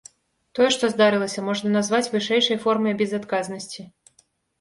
Тое, што здарылася, можна назваць вышэйшай формай безадказнасці.